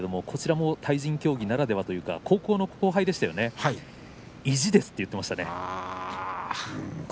こちらも対人競技ならではというか高校の後輩でしたね意地ですと言っていました。